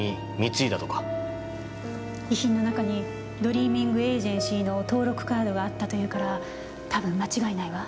遺品の中にドリーミングエージェンシーの登録カードがあったというからたぶん間違いないわ。